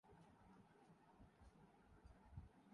دل کو دل سے راہ ہوتی ہے